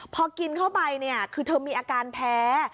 พอกินเข้าไปเนี่ยคือเธอมีอาการแพ้